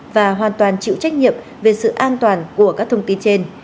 và hoàn toàn chịu trách nhiệm về sự an toàn của các thông tin trên